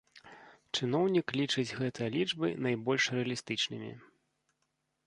Чыноўнік лічыць гэтыя лічбы найбольш рэалістычнымі.